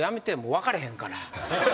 分かれへんから。